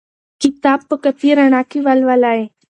کتاب په کافي رڼا کې ولولئ.